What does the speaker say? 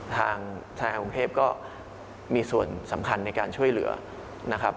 ทางธนาคารกรุงเทพก็มีส่วนสำคัญในการช่วยเหลือนะครับ